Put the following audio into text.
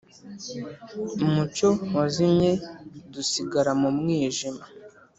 umucyo wazimye dusigara mu mwijima.